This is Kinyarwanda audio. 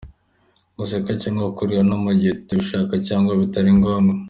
Guseka cyangwa kurira no mu gihe utabishaka cyangwa bitari ngombwa.